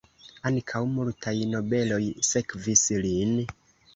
Ankaŭ multaj nobeloj sekvis lin.